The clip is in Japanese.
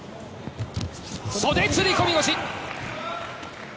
袖釣り込み腰。